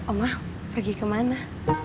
omah pergi kemana